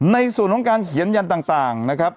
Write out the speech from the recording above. ในส่วนของการเขียนยันต่างนะครับ